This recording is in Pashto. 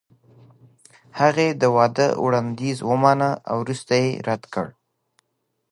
هغې د واده وړاندیز ومانه او وروسته یې رد کړ.